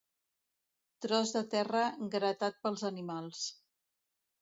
Tros de terra gratat pels animals.